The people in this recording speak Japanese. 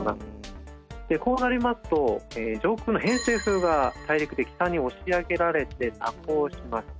でこうなりますと上空の偏西風が大陸で北に押し上げられて蛇行します。